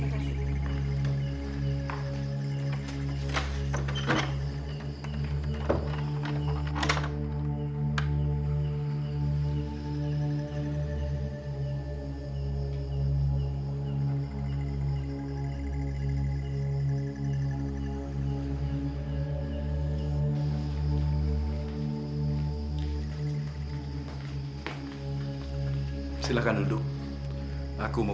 sekarang aku akan membantu kamu ke rumah